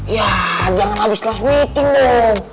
ya jangan habis kelas meeting dong